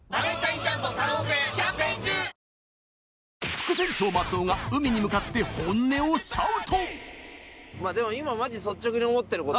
副船長松尾が海に向かって本音をシャウト。